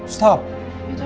ya tapi kalau menurut aku